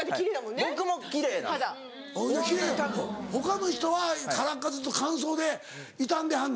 他の人は空っ風と乾燥で傷んではんの？